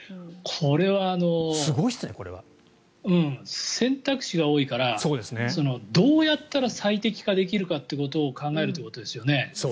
すごいですね、これは。選択肢が多いからどうやったら最適化できるかということを考えるということですよね。